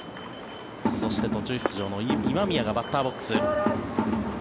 そして、途中出場の今宮がバッターボックス。